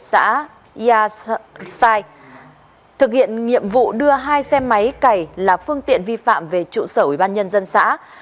xã yashrai thực hiện nhiệm vụ đưa hai xe máy cày là phương tiện vi phạm về trụ sở ủy ban nhân dân xã